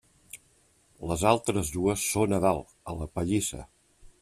Les altres dues són a dalt, a la pallissa.